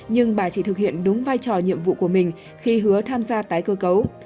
nhưng bà chỉ thực hiện đúng vai trò nhiệm vụ của mình khi hứa tham gia tái cơ cấu